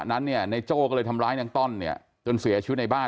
นั้นเนี่ยในโจ้ก็เลยทำร้ายนางต้อนเนี่ยจนเสียชีวิตในบ้าน